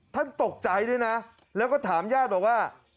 ท่านตกใจด้วยนะแล้วก็ถามญาติบอกว่า